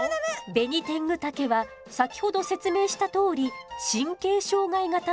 ベニテングタケは先ほど説明したとおり神経障害型の毒キノコ。